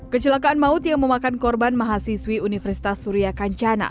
kecelakaan maut yang memakan korban mahasiswi universitas surya kancana